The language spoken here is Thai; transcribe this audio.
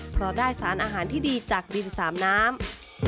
เพราะได้สารอาหารที่ดีจากดินสามน้ำ